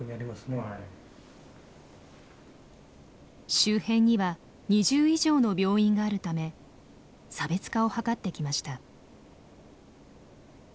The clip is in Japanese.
周辺には２０以上の病院があるため差別化を図ってきました。